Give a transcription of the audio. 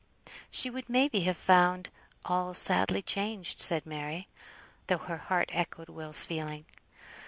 "She would may be have found all sadly changed," said Mary, though her heart echoed Will's feeling.